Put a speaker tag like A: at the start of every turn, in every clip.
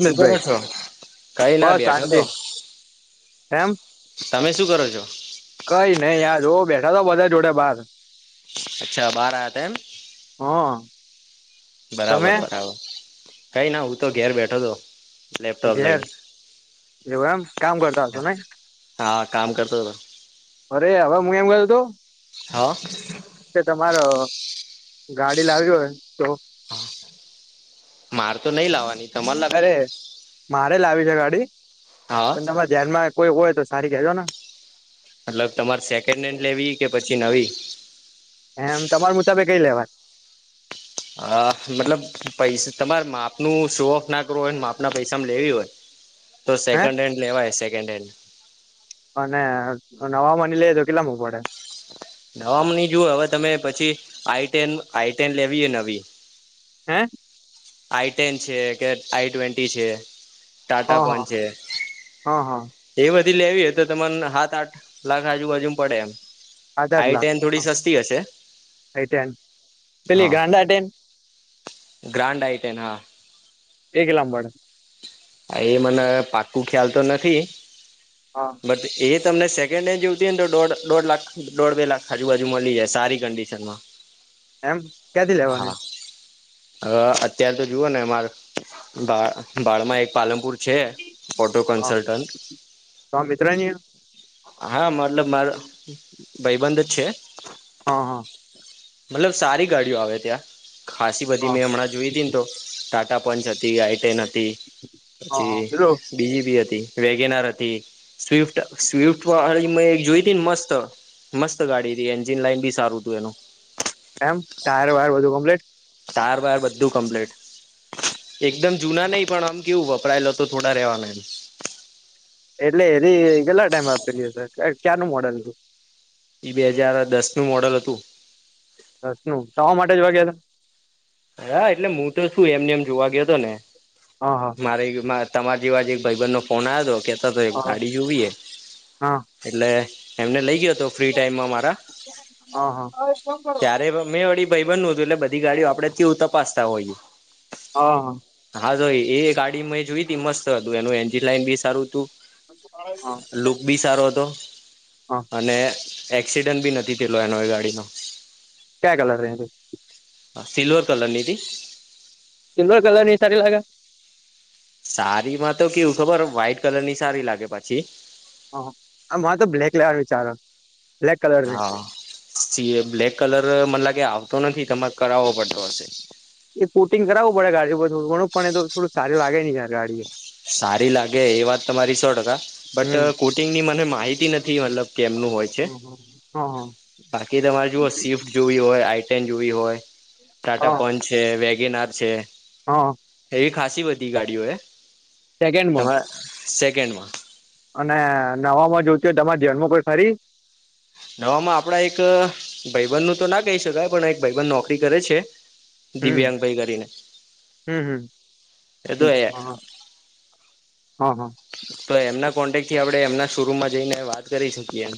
A: શું કરો છો કાઈ ના બેઠો તો
B: એેમ
A: તમે શું કરો છો?
B: કઈ નહી યાર જોવ બેઠા તો બધા જોડે બાર
A: અચ્છા બહાર [unintelligible]
B: હા.
A: બરાબર બરાબર કઈ ના હું તો ઘેર બેઠો હતો લેપટોપ લઇન
B: ઘેર એવું એમ કામ કરતા હશો ને
A: હા કામ કરતો હતો
B: અરે હવે હું એમ ગયો હતો
A: હા.
B: કે તમારો ગાડી લાવી હોય તો
A: માર તો નહી લાવવાની તમારે લાવીએ
B: અરે મારે લાવી છે ગાડી
A: હા
B: પણ તમારે ધ્યાનમાં કોઈ હોય તો સારી કહેજો ને
A: મતલબ તમારે સેકન્ડ હેન્ડ લેવી કે પછી નવી
B: એમ તમારા મુતાબે કઈ લેવા
A: અ મતલબ પૈસા તમારે માપનું શો ઓફ ના કરવો હોય માપના પૈસા લેવી હોય
B: [inaudible]
A: તો સેકન્ડ હેન્ડ લેવાય સેકન્ડ હેન્ડ
B: અને હવામા લઈ તો કેટલામ પડે?
A: નવામાં નઈ જોુવ હવે તમે પછી આઈન આઈટેન લેવી એ નવી
B: હે
A: આઈ ટેન છે કે આઈ ટ્વેન્ટી છે, ટાટા
B: હા
A: પણ
B: હા
A: છે
B: હા હા
A: એ બધી લેવી હો તો તને સાત આઠ લાખ આજુબાજુ પડે એમ
B: આઠ
A: આવી તો
B: લાખ
A: એન થોડી સસ્તી હશે,
B: આઈ ટેન પેલી
A: હા
B: ગ્રાડા ટમ
A: ગ્રાન્ડ આઈટન હા,
B: એ કેટલામાં પડે
A: હ એ મને પાક્કું ખ્યાલ તો નથી
B: હા
A: બટ એ તમને સેકન્ડ હેન્ડ જોવતી હોયને તો દોઢ દોઢ લાખ દોઢ બે લાખ આજુબાજુ મળી જાય સારી કંડિશન માં
B: એમ ક્યાંથી લેવાની?
A: હ અત્યાર તો જુઓ ને અમાર ભાડમાં એક પાલનપુર છે, ઓટો
B: હા
A: કન્સલ્ટન્ટ
B: તો આ મિત્ર ની
A: હા મતલબ મારો ભાઈબંધ જ છે,
B: હા હા
A: મતલબ સારી ગાડીઓ આવે ત્યાં ખાાસી બધી
B: હા
A: મેં હમણાં જોઈતી ને તો ટા ટા પંચ હતી આઈટેન હતી
B: હા હા
A: પછી
B: પેલું
A: બીજી હતી વેગેનાર હતી સ્વિફ્ટ સ્વિફ્ટ વાળી મેં જોઈ હતી, ને મસ્ત મસ્ત ગાડી હતી એન્જિન લાઈન બી સારું તું એનું
B: એમ ટાયર વાયર બધું કોમ્પ્લીટ
A: ટાયર બાયર બધું કમ્પ્લેટ એકદમ જુના નહિ પણ આમ કેવું વપરાયેલો તો થોડા રેવાના એમ
B: એટલે હરી કેટલા ટાઈમ આપેલી હશે, ક્યાંનું મોડેલ હતું
A: ઈ બે હજાર દસ નું મોડલ હતું,
B: દસ નું તમારા માટે જોવા ગયેલા
A: હા, એટલે મુ તો શું એમને એમ જોવા ગ્યોતો ને
B: હતા હા
A: મારે તમારા જેવા જ એક ભાઈબંધ નો ફોન આવ્યો હતો કેતા તો એક
B: હા
A: ગાડી જોવીએ
B: હા
A: એટલે એમને લઈ ગયો, તો ફ્રી ટાઈમ મા મારા
B: હા હા હા
A: ત્યારે મે વળી ભાઈ બન ન હતું, એટલે બધી ગાડીઓ આપડે [unintelligible] તપાસતા હોઈએ
B: હા
A: હા એ ગાડી મેં જોઈ તી મસ્ત હતું એનું એન્જન લાઈન બી સારું હતું,
B: હા
A: લુક બી સારો હતો,
B: હા
A: અને એક્સિડન્ટ ભી નથી થયેલો એનો એ ગાડીનો
B: ક્યા કલર ની
A: હ સિલ્વર કલરની હતી,
B: સિલ્વર કલર ની સારી લાગે
A: સારિ માં તો કેવું ખબર વ્હાઈટ કલરની સારી લાગે પછી,
B: હ અ માર તો બ્લેક લેવાનો વિચારો હ
A: હા સિએ બ્લેક કલર મન લાગે ગે આવતો નથી તમારે કરાવવો પડતો હશે,
B: એ પોર્ટિંગ કરાવવું પડે ગાડી ઉપર થોડું ઘણું પણ એ તો થોડું સારીલાગે ને યાર ગાડી એ
A: સારી લાગે એ વાત તમારી સો ટકા બટ
B: હમ
A: કોટિંગ ની મને માહિતી નથી મતલબ કેમનું હોય છે,
B: હા
A: બાકી તમારે જો શિફ્ટ જોવી હોય ટેન જોવી હોય ટાટા
B: હા
A: પંચ છે, વેગેનર છે
B: હા
A: એવી ખાસી બધી ગાડીઓ હે
B: સેકન્ડમાં
A: તમારા સેકન્ડમાં
B: અને નવા માં જોઈતી હોય તમારા ધ્યાનમાં કોઈ ખરી
A: નવામાં આપડા એક ભાઈબંધ નું તો ના કહી શકાય પણ એક ભાઈબંધ નોકરી કરે છે.
B: હમ
A: દિવ્યાંગ ભાઈ કરીને
B: હમ
A: એટો
B: હમ હા હા હા
A: તો એમના કોન્ટેક થી આપણે એમના શોરૂમમાં જઈને વાત કરી શકીએ‌એમ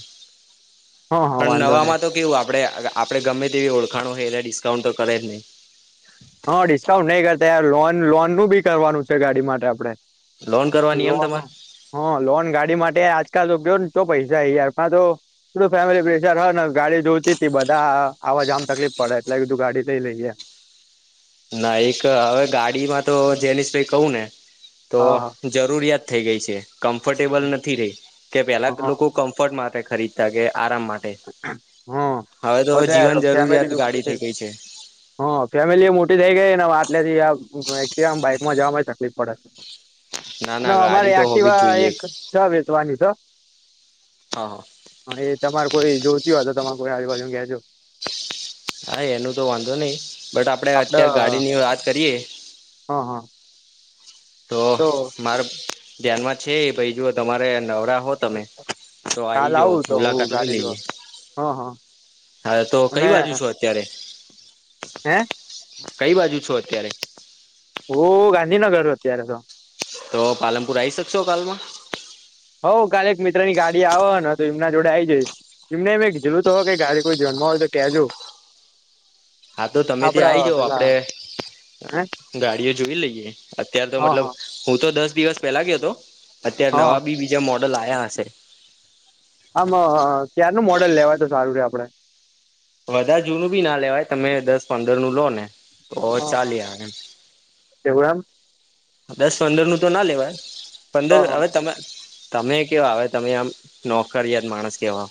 B: હા હા
A: પણ
B: વાંધો નહી
A: નવામાં તો કેવું આ આપડે આપડે ગમે તેવી ઓળખાણો હોય એટલે ડિસ્કાઉન્ટ તો કરે જ નહી
B: હા ડિસ્કાઉન્ટ નહી કરતા યાર લોન લોનનું બી કરવાનું છે ગાડી માટે આપડે
A: લોન કરવાની એમ
B: લોન
A: તમારે
B: હ લોન ગાડી માટે આજકાલ તો ગયો તો પૈસા યાર પા તો થોડું ફેમિલી પ્રેશર હોય ને ગાડી જોઈતીતી બધા આવા જવામાં તકલીફ પડે એટલે કીધું ગાડી લઈ લઈએ. [inaudible]
A: ના એક હવે ગાડીમાં તો જેનીસ ભાઈ કહું ને તો
B: હા
A: જરૂરિયાત થઇ ગઈ છે. કમ્ફર્ટેબલ નથી રહી કે પેલા
B: હા
A: લોકો કમ્ફર્ટ માટે ખરીદતા કે આરામ માટે
B: હા
A: હવે તો
B: હો યાર
A: જીવન
B: ફેમિલી
A: જરૂરિયાત
B: બી મોટી
A: ગાડી થઈ ગઈ છે.
B: હા ફેમિલી એ મોટી થઈ ગઈ [unintelligible] એક્ટિવા બાઈકમાં જવામાં તકલીફ પડે ના અમારે
A: ગાડી તો
B: આ
A: હોવી જ
B: કેવા
A: જોઈએ
B: એક છ વેચવાની છે.
A: હ હા
B: પૂચી વાત તમારે કોઈ આજુબજુ કહેજો
A: હા એનું તો વાંધો નઈ બટ આપડે અત્ય્યારે ગાડીની વાત કરીએ.
B: હા હા
A: તો મારે ધ્યાનમાં છે ભાઈ જો તમારે નવરા હો તમે તો આવી
B: કાલ
A: જ
B: આવું તો હું
A: મુલાકાત લઈ
B: ગાડી જોવા
A: લઈએ
B: હા હા
A: હા તો કઈ
B: અને
A: બાજુ છો અત્યારે
B: હે
A: કઈ બાજુ છો અત્યારે
B: ઓ ગાંધીનગર અત્યારે તો
A: તો પાલનપુર આવી શકશો કાલમાં
B: આવ હોને તો એમના જોડે આઈ જઈશ એમને એમે જલ તો હો કે ઘરે કોઈ ધયાનમા હોય તો કેજો [inaudible]
A: હા તો તમે ત્યાં
B: આપડા
A: આઈ જાવ
B: પેલા
A: આપડે
B: હે
A: ગાડીઓ જોઈ લઈએ અત્યાર તો
B: હા
A: મતલબ
B: હા
A: હું તો દસ દિવસ પેલા ગયો હતો અત્યારે
B: હા
A: નવા બી બીજા મોડલ આવયા હશે.
B: આમ ક્યાારનું મોડલ લેવાય તો સારું રે આપડે
A: વધારે જૂનું બી ના લેવાય તમે દસ પંદર નું લો ને ઓ ચાલે હા
B: એવું એમ
A: દસ પંદરનું તો ના લેવાય પંદર
B: હા હા
A: હવે તમે તમે કેવા હવે તમે આમ નોકરીયાત માણસ કેવા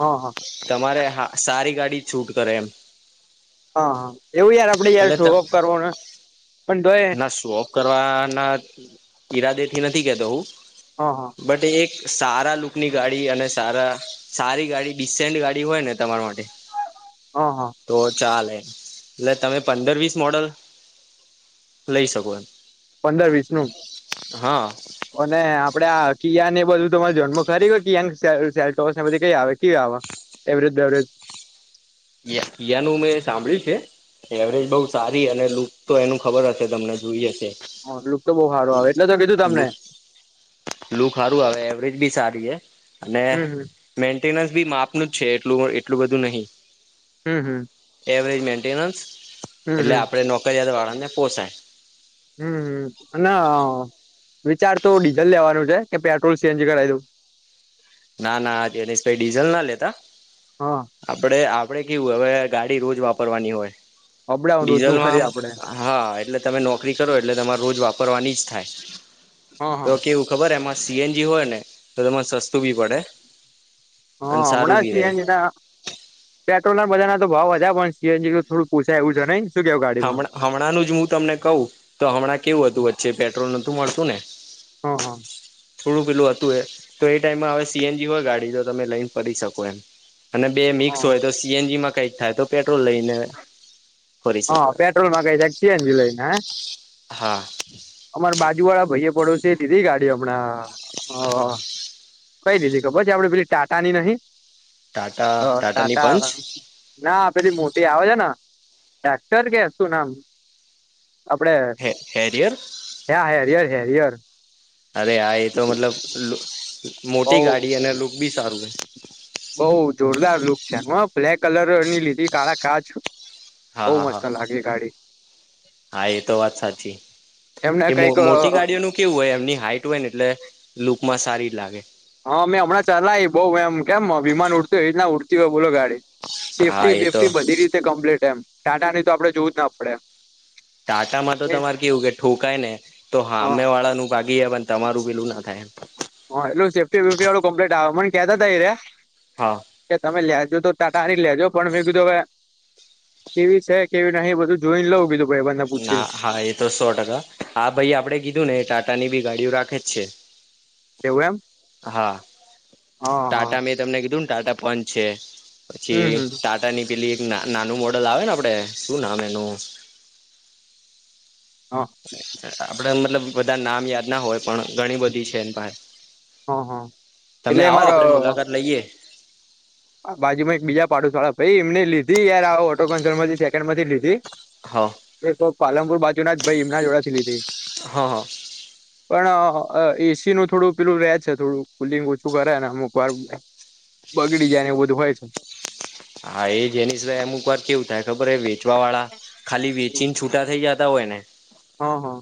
B: હા હા
A: તમારે હા સારી ગાડી છૂટ કરે એમ
B: હા હા એવું યાર આપડે યાર
A: એટલે
B: શોઅપ કરવાનું
A: ના શોપ કરવાના ઈરાદે થી નથી કેતો હું
B: હા હા
A: બટ એક સારા લુકની ગાડી અને સારા સારી ગાડી ડીસેન્ટ ગાડી હોય ને તમારા માટે
B: હા હા
A: તો ચાલે એટલે તમે પંદર વીસ મોડલ લઈ શકો એમ
B: પંદર વીસ નું
A: હા
B: અને આપડે કિયા ને બધું જન્મ ખરી [unintelligible] આવે કે આવે એવરેજ બેવરેજ
A: િયાનું મેં સાંભળ્યું છે એવરેજ બઉ સારી અને લુક તો એનું ખબર હશે તમને જોઈ હશે
B: હલુક તો બહુ સારું આવે એટલે તો કીધું તમને
A: લું સારું આવે એવરેજ બી સારી હ અને
B: હમ હમ
A: મેન્ટેનસ બી માપનું જ છે એટલું એટલું બધું નહીિ
B: હમ હમ
A: એવરેજ મેન્ટેનન્સ
B: હમ
A: એટલે
B: હમ
A: આપડે નોકરયાત વાળ ને પોસાય
B: હમ અને વિચાર તો ડીઝલ લેવાનું છે કે પેટ્રોલ સીએન્જી કરાવ દું
A: ના ના જનીશભાઈ ડીઝલ ના લેતા
B: હા
A: આપડે આપડણે કેવું હવે ગાડી રોજ વાપરવાની હોય
B: અપડાઉન રોજનું ખરી
A: ડીઝલમાં
B: આપડે
A: આ હા એટલે તમે નોકરી કરો એટલે તમારે રોજ વાપર કરવા જ થાય તો
B: હા
A: કેવું ખબર એમાં સીએનજી હોય ને તો ટૂ બી પડે
B: હ
A: અને સારું
B: હમણા છ
A: બી રહે
B: એટ પેટ્રોલ ના બધા ના તો ભાવ વધારે પણ છે થોડું પોસાય એવું છે નને
A: હ હમણાંનું જ હું તમને કહું તો હમણાં કેવું હતું વચ્ચે પેટ્રોલ નતું મળતું ને
B: હા હા
A: થોડું પેલું હતું એ તો એ ટાઈમમાં હવે સીએનજી હોય ગાડી તો તમે લઈને ફરી શકો એમ અને બે મિક્સ હોય તો સીએનજી માં કઈક થાય તો પેટ્રોલ લઈને ફરી શકો
B: હા
A: એમ
B: પેટ્રોલ માં કઈ જક છી લઈ ને હ
A: હા.
B: અમાર બાજુ વાળા ભાઈ પડોસે એ લીધી ગાડી હમણાં હ
A: હા.
B: કઈ દીધી ખબર છે, આપે પેલી ટાટાની નહિ
A: ટાટા ટાટાની
B: ટાટા
A: પંચ
B: ના પેલી મોટી આવે ના ડાકતર કે શું નામ આપડે
A: હે હેરિયર
B: હે હિયર હિયર
A: અરે હા એ તો મતલબ મોટી ગાડી અને લુક બી સારું હોય.
B: બહુ જોરદાર લુક છે હું બ્લેક કલરની લીધી કાળા કાજ
A: હા
B: બઉ
A: હા હા
B: મસ્ત લાગે ગાડી
A: હા એ તો વાત સાચી.
B: એમને
A: એ
B: કઈક
A: મોટી ગાડીઓનું કેવું હોય એમની હાઈટ હોય ને એટલે લુકમાં સારી લાગે.
B: હા મેં હમણાં ચલાવી બઉ એમ કેમ વિમાન ઉડતું એવી રીતના ઉડતી બોલો ગાડી
A: હા
B: સેફ્ટી
A: એ તો
B: બેફ્ટી બધી રીતે કમ્પ્લીટ એમ ટાટા ની તો આપડે જોવું જ ના પડે.
A: ટાટામાં તો તમારે કેવું કે ઠોકાય ને તો
B: હા
A: હામે વાળાનું ભાગ ગ પણ તમારું પેલું ના થાય.
B: હા એટલું સેફ્ટી વેફ્ટી વાળું કમ્પ્લીટ આવે મને કેતા તા એ રે
A: હા
B: એ તમે લેજો તો ત તારી લેજો પણ મેં કીધું હ કેવી છે કેવી નહી બધું જોઈને લઉું કીધું ભાઈબંધને પૂછીને
A: ના હા એ તો સો ટકા હા ભાઈ આપડે કીધું ને ટાટા ની બી ગાડીઓ રાખે જ છે.
B: એવું એમ
A: હા
B: હા હા
A: ટાટા મેં તમને કીધું ને ટાટા પંચ છે પછી
B: હમ હમ
A: ટાટા ની પેલી એક નાનું મોટું આવે ને આપડે શું નામ એનું
B: હા.
A: આપણે મતલબ બધા નામ યાદ ના હોય. પણ ઘણી બધી છે એ પાસે
B: હા હા
A: તમે
B: એટલે
A: આવો
B: અમારો
A: આપડે મુલાકાત લઈએ
B: બાજુમાં એક બીજા પાડોશ વાળા ભાઈ એમને લીધી યાર આવ ઓટો કન્સલ થી સેકન્ડ માંથી લીધી
A: હા
B: એ તો પાલનપુર બાજુ ના જ ભાઈ એમના જોડાેથી લીધી.
A: હા હા
B: પણ એસી નું થોડું પેલું રહે છે થોડું કુલિંગ ઓછું કરે ને અમુક વાર બાકી બધું હોય છે.
A: હા એ જેની સિવાય અમુક વાર કેવું થાય ખબર હ વેચવા વાળા ખાલી વેચીને છૂટા થઈ જતા હોય એને
B: હા-હા.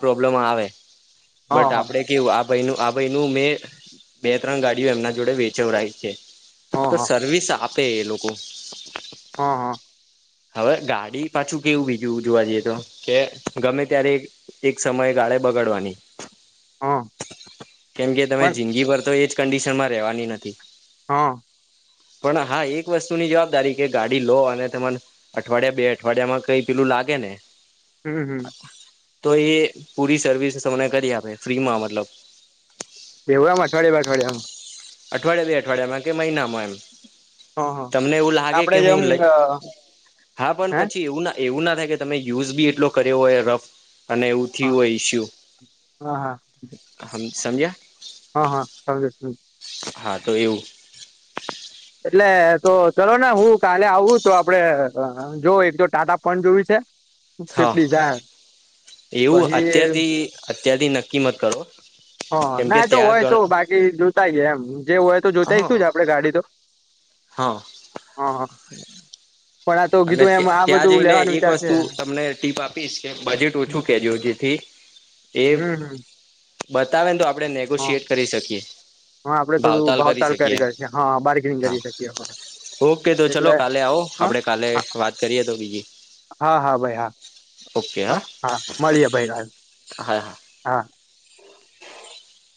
A: પ્રોબ્લેમ આવે બટ
B: હા
A: આપણે કેવું ભાઈ આ ભાઈ ન મેં બે ત્રણ ગાડીઓ એમના જોડે વેચવડાઈ છે. તો
B: હા
A: સર્વિસ આપે એ લોકો
B: હા હા
A: હવે ગાડી પાછું કેવું બીજું જોવા જઈએ તો કે ગમે ત્યારે એક સમયે ગાડી બગાડવાની
B: હા
A: કેમ કે તમે
B: પણ
A: જિંદગી ભર તો એજ કંડિશન માં રહેવાની નથી.
B: હા
A: પણ હા એક વસ્તુની જવાબદારી કે ગાડી લો અને તમાર અઠવાડિયા બે અઠવાડિયા માં કઈ પેલું લાગે ને
B: હમ્મ-હમ્મ.
A: તો એ પૂરી સર્વિસ તમને કરી આપે ફ્રી માં મતલબ
B: [unintelligible] અઠવાડિયામાં અઠવાડિયામાં
A: અઠવાડિયા બે અઠવાડિયામાં કે મહિનામાં એમ
B: હા હા
A: તમને એવું લાગે
B: આપડે
A: કે
B: જેમ
A: હું લઈ હા પણ
B: હે
A: પછી એવું ના એવું ના થાય કે તમે યુઝ બી એટલો કર્યો હોય રફ અને એવું થી
B: હા
A: હોય ઈશ્યુ
B: હા હા
A: સમજ્યા
B: હા હા સમજયો
A: હા તો એવું
B: એટલે તો ચલો ને હું કાલે આવું તો આપડે જો એક તો ટાટા પચ જોવી છે સિફટ
A: હા
B: ડિજાયર
A: એવું અત્યારથી અત્યારથી નક્કી મત કરો
B: હા
A: કેમ કે
B: ના એ તો હોય તો
A: ત્યાં
B: બાકી જોતા આઈ એમ જે હોય તો જોતાઈ
A: હા
B: શું જ આપડે ગાડી તો
A: હા
B: હા પણ આ તો
A: અને
B: કીધું એમ આ
A: ત્યાં
B: બધું
A: જઈને
B: લેવાનો
A: એક
B: વિચાર છે
A: વસ્તુ તમને ટીપ આપીશ કે બજેટ ઓછું જ્યો જેથી એ
B: હમ હમ
A: બતાવે ને તો આપડણે
B: હા
A: નેગોશિયટ કરી શકીએ
B: હા આપડે થોડું
A: કરી
B: ભાવતાલ
A: શકીએ એમ
B: કરીએં છે હા બાર્ગેનિંગ
A: હા
B: કરી શકીએ આપણે
A: ઓકે તો ચલો
B: એટલે
A: કાલે આવો
B: હા
A: આપડે કાલે વાત કરીએ તો બીજી
B: હા હા ભાઈ હા હા મળીએ ભાઈ કાલ હા
A: [inaudible]